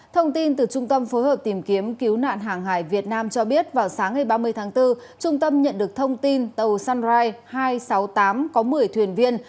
thông tin từ trung tâm phối hợp tìm kiếm cứu nạn hàng hải việt nam cho biết vào sáng ngày ba mươi tháng bốn trung tâm nhận được thông tin tàu sunrise hai trăm sáu mươi tám có một mươi thuyền viên